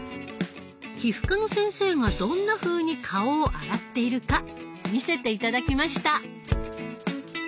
皮膚科の先生がどんなふうに顔を洗っているか見せて頂きました！